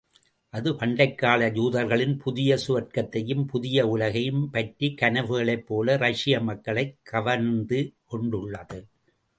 அது பண்டைக்கால யூதர்களின் புதிய சுவர்க்கத்தையும் புதிய உலகையும் பற்றி கனவுகளைப் போல ரஷ்ய மக்களைக் கவர்ந்து கொண்டுள்ளது.